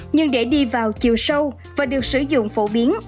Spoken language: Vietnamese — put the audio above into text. nhưng để đi vào chiều sâu và được sử dụng phổ biến